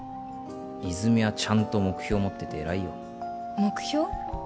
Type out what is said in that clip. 泉はちゃんと目標持ってて偉いよ目標？